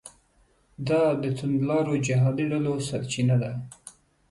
دا د توندلارو جهادي ډلو سرچینه ده.